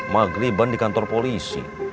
maghriban di kantor polisi